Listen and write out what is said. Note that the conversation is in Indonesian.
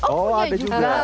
oh ada juga